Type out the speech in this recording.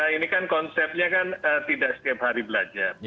ini kan konsepnya kan tidak setiap hari belajar